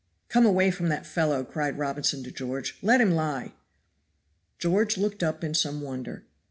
"Come away from that fellow," cried Robinson to George. "Let him lie." George looked up in some wonder.